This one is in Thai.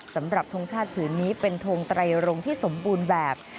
ทรงชาติผืนนี้เป็นทงไตรรงที่สมบูรณ์แบบ